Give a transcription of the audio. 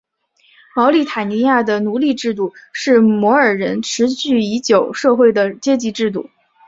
茅利塔尼亚的奴隶制度是摩尔人持续已久社会的阶级制度。